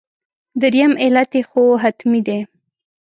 درېیم علت یې خو حتمي دی.